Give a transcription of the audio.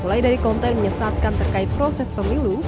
mulai dari konten menyesatkan terkait proses pemilu